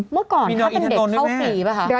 เมื่อก่อนเขาเป็นเด็กเข้าฟรีป่ะคะ